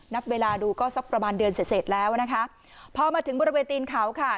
นับเวลาดูก็สักประมาณเดือนเสร็จเสร็จแล้วนะคะพอมาถึงบริเวณตีนเขาค่ะ